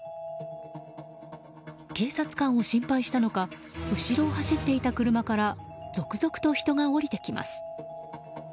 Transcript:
警察官を心配したのか後ろを走っていた車から続々と人が降りてきます。